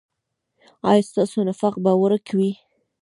ایا ستاسو نفاق به ورک وي؟